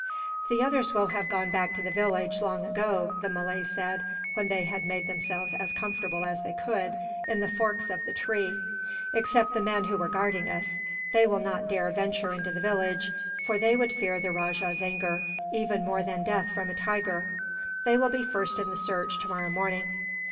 "The others will have gone back to the village, long ago," the Malay said, when they had made themselves as comfortable as they could, in the forks of the tree, "except the men who were guarding us. They will not dare venture into the village, for they would fear the rajah's anger, even more than death from a tiger. They will be first in the search, tomorrow morning.